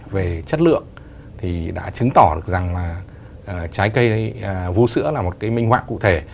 về chất lượng thì đã chứng tỏ được rằng là trái cây vũ sữa là một cái minh họa cụ thể